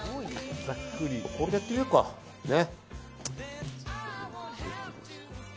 これでやってみようか、ね。